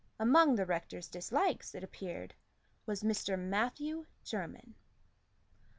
Among the rector's dislikes, it appeared, was Mr. Matthew Jermyn.